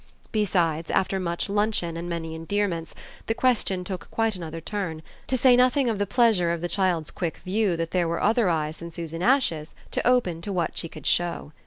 Besides, after much luncheon and many endearments, the question took quite another turn, to say nothing of the pleasure of the child's quick view that there were other eyes than Susan Ash's to open to what she could show.